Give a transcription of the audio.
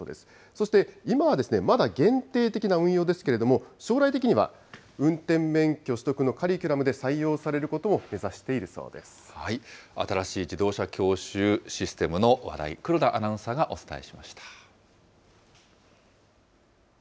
そして今はまだ限定的な運用ですけれども、将来的には運転免許取得のカリキュラムで採用されることを目指し新しい自動車教習システムの話題、黒田アナウンサーがお伝えしました。